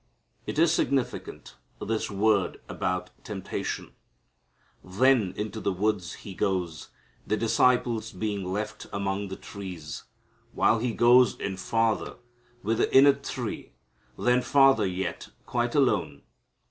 It is significant, this word about temptation. Then into the woods He goes, the disciples being left among the trees, while He goes in farther with the inner three, then farther yet, quite alone.